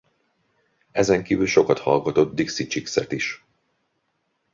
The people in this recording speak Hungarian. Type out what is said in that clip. Ezen kívül sokat hallgatott Dixie Chicks-et is.